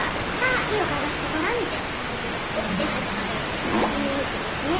手をかざしてごらんみたいな感じでスッて始まるイメージですね。